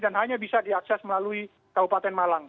dan hanya bisa diakses melalui kabupaten malang